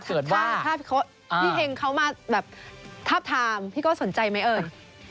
แล้วถ้าพี่เฮงเขามาแบบทาบทามพี่ก็สนใจมั้ยเอ่ย